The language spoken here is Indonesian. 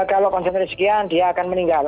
artinya kalau konsumsi resikian dia akan meninggal